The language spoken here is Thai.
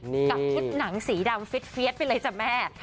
กับชุดหนังสีดำเฟียดไปเลยจ้ะแม่